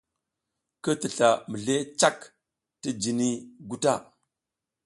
Ki tisla mizli cak ti jiniy gu ta.